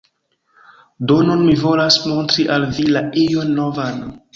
Do nun mi volas montri al vi la ion novan.